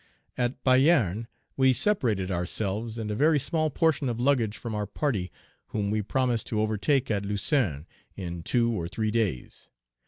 At Payerne we separated ourselves and a very small portion of luggage from our party, whom we promised to overtake at Lausanne in two or three days.